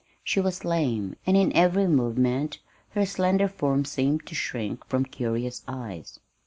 She was lame, and in every movement her slender form seemed to shrink from curious eyes.